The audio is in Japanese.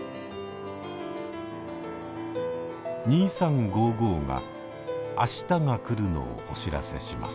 「２３」が明日が来るのをお知らせします。